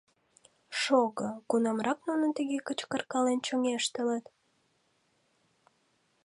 Шого, кунамрак нуно тыге кычкыркален чоҥештылыт?